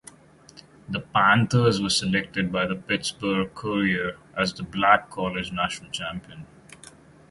The Panthers were selected by the "Pittsburgh Courier" as the black college national champion.